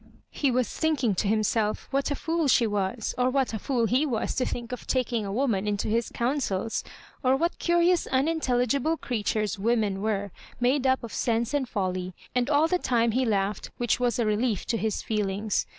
He was thinking to himself what a fool she was, or what a fool he was to think of taking a wo man into his counsels, or what curious unintelli gible creatures women were, made up of sense and folly ; and all the time he laughed, which was a relief to his feelings.